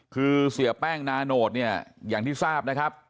คือเสียแป้งนาโนตเนี่ยอย่างที่ทราบนะครับ